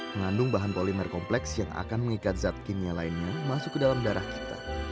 mengandung bahan polimer kompleks yang akan mengikat zat kimia lainnya masuk ke dalam darah kita